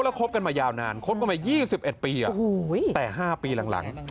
แล้วคบกันมายาวนานคบกันมา๒๑ปีแต่๕ปีหลัง